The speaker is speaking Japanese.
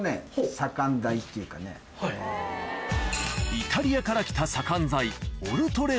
イタリアから来た左官材